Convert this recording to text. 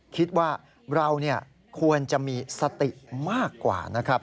คิดว่าเราควรจะมีสติมากกว่านะครับ